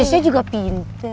ah miss kiki juga pintar